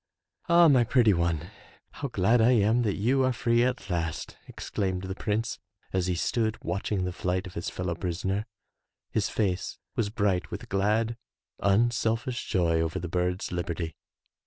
"Ah, my pretty one, how glad I am that you are free at last, exclaimed the prince as he stood watching the flight of his fel low prisoner. His face was bright with glad, unselfish joy over the bird's liberty.